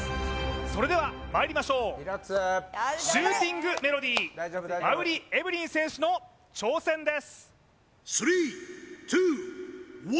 それではまいりましょうシューティングメロディー馬瓜エブリン選手の挑戦です